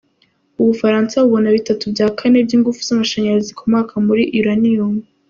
U Bufaransa bubona ¾ by’ingufu z’amashanyarazi zikomoka kuri Uranium.